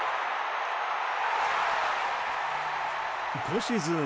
今シーズン